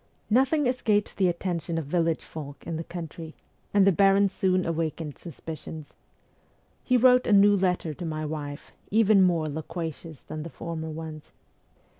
Nothing escapes the attention of village folk in the country, and the baron soon awakened suspicions. He wrote a new letter to my wife, even more loquacious than the former ones.